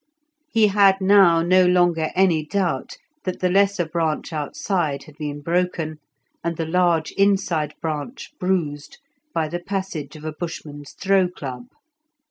He had now no longer any doubt that the lesser branch outside had been broken, and the large inside branch bruised, by the passage of a Bushman's throw club.